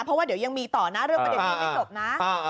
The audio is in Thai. เพราะว่าเดี๋ยวยังมีต่อนะเรื่องประเด็นนี้ยังไม่จบนะ